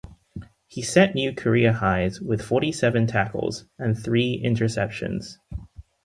He set new career highs with forty-seven tackles and three interceptions.